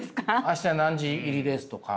「明日何時入りです」とか。